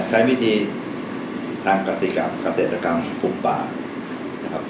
ใช้วิธีทางกาศีกรรมกาเศรษฐกรรมขุมปลา